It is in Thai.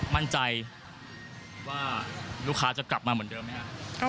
มั่นใจว่าลูกค้าจะกลับมาเหมือนเดิมไหมครับ